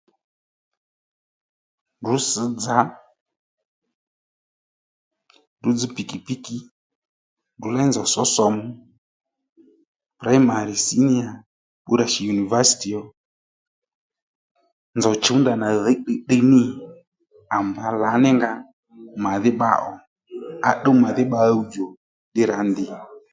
Ndrǔ sš dza ndrǔ dzž pikipiki ndrǔ léy nzòw sǒ sòmu primari siniya bbǔwrà shì univasti ò nzòw chǔw ndanà dhǐy tdiytdiy nî à mbǎ lǎní nga màdhí bba ó à tdúw màdhí bba ɦǔwdjò ddí rǎ ndì